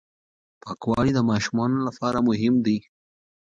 پاکوالی د ماشومانو لپاره مهم دی.